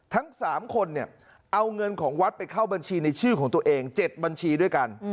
ทั้ง๓คนเนี่ยเอาเงินของวัดไปเข้าบัญชีในชื่อของตัวเอง๗บัญชีด้วยกัน